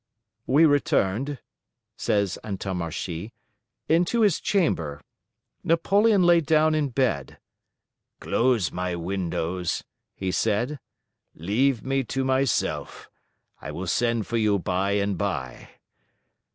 "We returned," says Antommarchi, "into his chamber. Napoleon lay down' in bed. 'Close my windows,' he said; leave me to myself; I will send for you by and by.